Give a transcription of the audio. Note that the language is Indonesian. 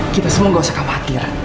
kita semua gak usah khawatir